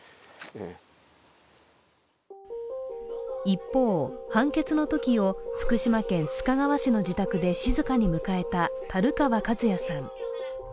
一方、判決の時を福島県須賀川市の自宅で静かに迎えた樽川和也さん。